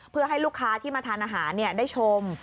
เพื่อให้ลูกค้าที่มาทานอาหารได้ชม